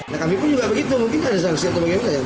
nah kami pun juga begitu mungkin ada salah satu bagian itu saja